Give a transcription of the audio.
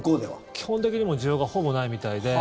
基本的には需要がほぼないみたいで。